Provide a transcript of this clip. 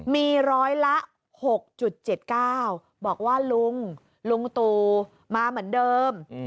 มีร้อยละ๖๗๙บอกว่าลุงลุงตู่มาเหมือนเดิม